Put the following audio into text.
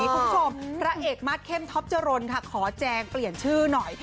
พระเอกมาสเข้มท็อปจรนค่ะขอแจงเปลี่ยนชื่อหน่อย